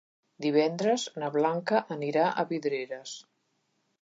Divendres na Blanca anirà a Vidreres.